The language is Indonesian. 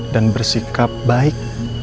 dan bersikap baik